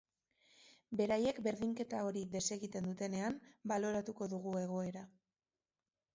Beraiek berdinketa hori desegiten dutenean, baloratuko dugu egoera.